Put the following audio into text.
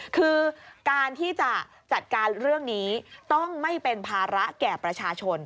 คือการที่จะจัดการเรื่องนี้ต้องไม่เป็นภาระแก่ประชาชน